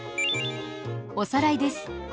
おさらいです。